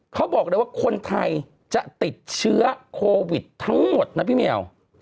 เขาบอกเลยว่าคนไทยจะติดเชื้อโควิดทั้งหมดนะพี่เมียว